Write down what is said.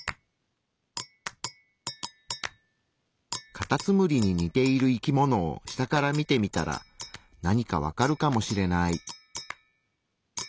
カタツムリに似ている生き物を下から見てみたらなにか分かるかもしれない。